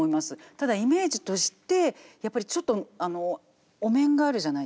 ただイメージとしてやっぱりちょっとお面があるじゃないですか。